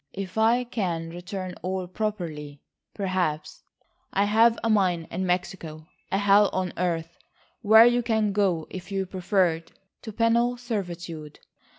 If I can return all properly, perhaps—I have a mine in Mexico, a hell on earth, where you can go if you prefer it to penal servitude.